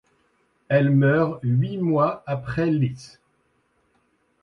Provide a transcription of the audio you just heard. Elle meurt huit mois après Liszt.